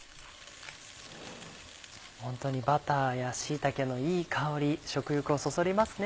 ホントにバターや椎茸のいい香り食欲をそそりますね。